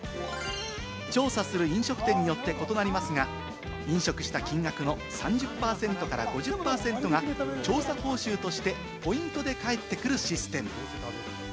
調査する飲食店によって異なりますが、飲食した金額の３０％から５０％が調査報酬としてポイントで返ってくるシステム。